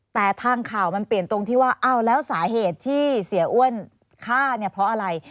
แต่ทางข่าวมันเปลี่ยนตรงที่ว่าอ้าวแล้วสาเหตุที่เสียอ้วนฆ่าเนี่ยเพราะอะไร